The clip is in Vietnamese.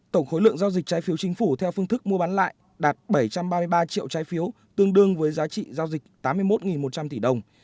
tổng khối lượng giao dịch trái phiếu chính phủ theo phương thức mua bán lại đạt bảy trăm ba mươi ba triệu trái phiếu tương đương với giá trị giao dịch tám mươi một một trăm linh tỷ đồng